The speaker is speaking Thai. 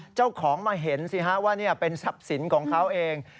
เจ้าของมาเห็นสิฮะว่านี่เป็นทรัพย์สินของเขาเอง